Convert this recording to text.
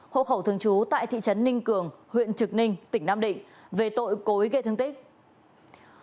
hộ khẩu thường trú tại thị trấn ninh cường huyện trực ninh tỉnh nam định về tội cối gây thương tích